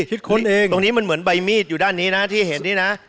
คิดค้นเองตรงนี้มันเหมือนใบมีดอยู่ด้านนี้นะที่เห็นนี่นะ